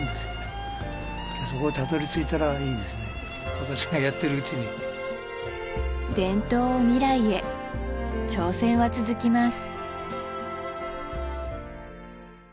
私がやってるうちに伝統を未来へ挑戦は続きます